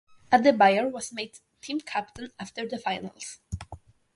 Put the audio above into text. Adebayor was made team captain after the finals.